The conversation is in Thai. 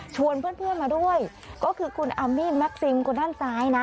เพื่อนมาด้วยก็คือคุณอามี่แม็กซิมคนด้านซ้ายนะ